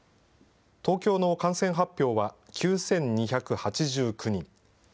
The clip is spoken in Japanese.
東京の感染発表は９２８９人。